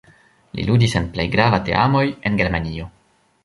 Li ludis en plej grava teamoj en Germanio.